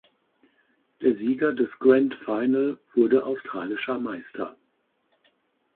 Der Sieger des Grand Final wurde australischer Meister.